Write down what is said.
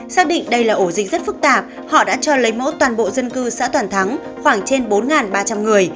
xác định đây là ổ dịch rất phức tạp họ đã cho lấy mẫu toàn bộ dân cư xã toàn thắng khoảng trên bốn ba trăm linh người